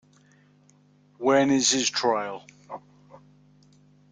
When is his trial?